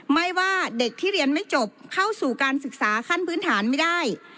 ไม่ว่าเด็กที่เรียนไม่จบเข้าสู่การศึกษาขั้นพื้นฐานไม่ได้